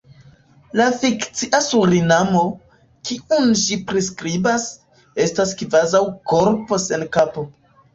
La fikcia Surinamo, kiun ŝi priskribas, estas kvazaŭ korpo sen kapo.